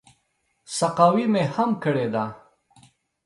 سقاوي مې هم کړې ده.